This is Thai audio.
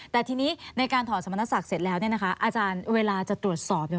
แต่ทีนี้ในการถอดสมรสักเสร็จแล้วอาจารย์เวลาจะตรวจสอบ